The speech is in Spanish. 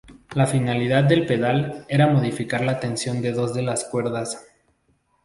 La finalidad del pedal era modificar la tensión de dos de las cuerdas.